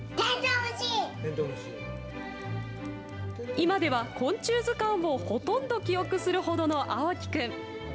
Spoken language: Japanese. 今では昆虫図鑑をほとんど記憶するほどの蒼貴くん。